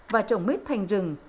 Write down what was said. và trồng mít thành rừng